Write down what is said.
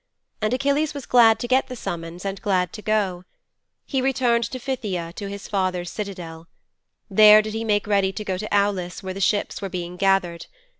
And Achilles was glad to get the summons and glad to go. He returned to Phthia, to his father's citadel. There did he make ready to go to Aulis where the ships were being gathered.